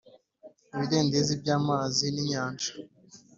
Ibidendezi by’amazi ninyanja